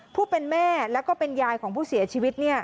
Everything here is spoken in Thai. ผู้เป็นแม่และยายของผู้เสียชีวิต